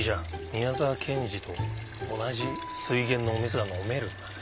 宮沢賢治と同じ水源のお水が飲めるんだね。